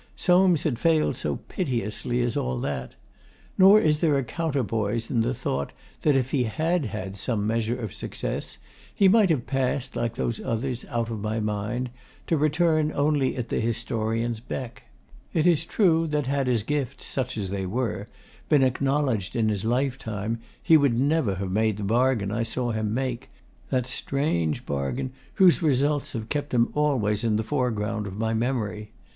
Soames had failed so piteously as all that! Nor is there a counterpoise in the thought that if he had had some measure of success he might have passed, like those others, out of my mind, to return only at the historian's beck. It is true that had his gifts, such as they were, been acknowledged in his life time, he would never have made the bargain I saw him make that strange bargain whose results have kept him always in the foreground of my memory.